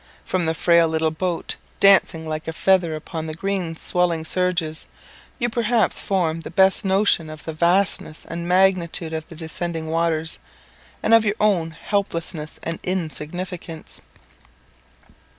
From the frail little boat, dancing like a feather upon the green swelling surges, you perhaps form the best notion of the vastness and magnitude of the descending waters, and of your own helplessness and insignificance.